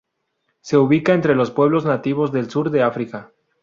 Se ubican entre los pueblos nativos del sur de África.